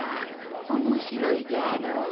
おもしろいじゃろ？